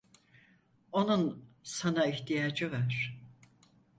Onun sana ihtiyacı var.